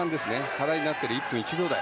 課題になっている１分１秒台。